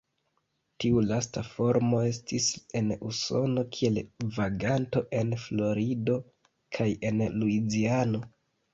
Tiu lasta formo estis en Usono kiel vaganto en Florido kaj en Luiziano.